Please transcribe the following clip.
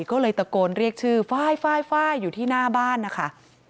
ก็เลยตะโกนเรียกชื่อฟ้ายอยู่ที่หน้าบ้านนะคะ